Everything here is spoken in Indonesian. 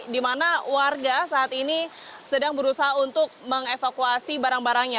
di mana warga saat ini sedang berusaha untuk mengevakuasi barang barangnya